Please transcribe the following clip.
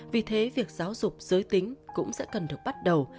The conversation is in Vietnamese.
vì thế việc giáo dục giới tính cũng sẽ cần được bắt đầu